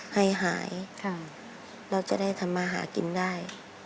แฮยแล้วจะได้ทำมาหากินได้